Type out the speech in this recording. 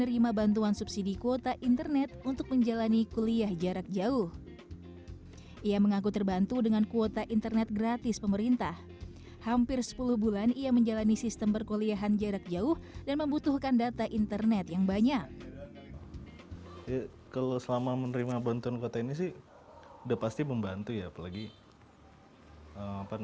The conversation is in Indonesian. itu udah kuota yang diberikan oleh mendikbud